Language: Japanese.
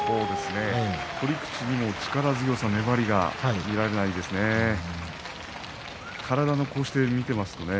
取り口にも力強さ、粘りが見られませんね。